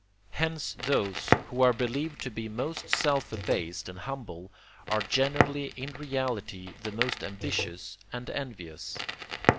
hence those, who are believed to be most self abased and humble, are generally in reality the most ambitious and envious.